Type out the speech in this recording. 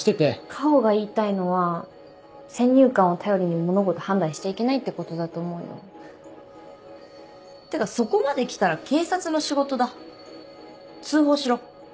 夏穂が言いたいのは先入観を頼りに物事判断しちゃいけないってことだと思うよ。ってかそこまできたら警察の仕事だ通報しろ。